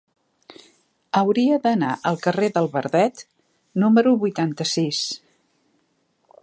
Hauria d'anar al carrer del Verdet número vuitanta-sis.